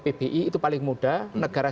pbi itu paling muda negara